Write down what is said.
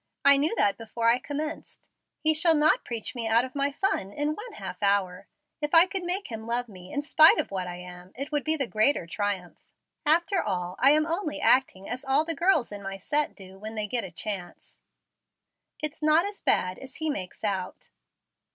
"I knew that before I commenced. He shall not preach me out of my fun in one half hour. If I could make him love me in spite of what I am, it would be the greater triumph. After all, I am only acting as all the girls in my set do when they get a chance. It's not as bad as he makes out."